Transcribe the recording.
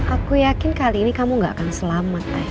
aku yakin kali ini kamu gak akan selamat lah